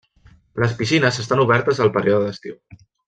Les piscines estan obertes el període d’estiu.